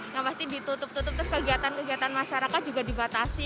yang pasti ditutup tutup terus kegiatan kegiatan masyarakat juga dibatasi